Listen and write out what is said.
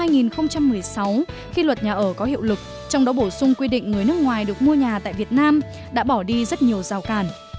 nhà đầu tư nước ngoài đã có hiệu lực trong đó bổ sung quy định người nước ngoài được mua nhà tại việt nam đã bỏ đi rất nhiều rào cản